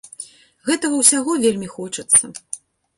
Гэтага ўсяго вельмі хочацца.